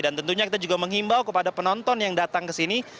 dan tentunya kita juga menghimbau kepada penonton yang datang ke sini